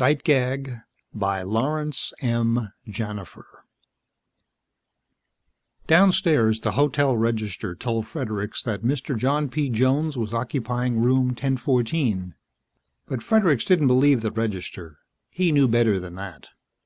ILLUSTRATED BY SCHOENHERR Downstairs, the hotel register told Fredericks that Mr. John P. Jones was occupying Room 1014. But Fredericks didn't believe the register. He knew better than that.